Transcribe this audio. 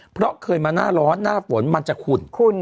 เพราะเคยมาหน้าร้อนหน้าฝนมันจะขุ่น